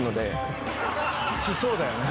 しそうだよね。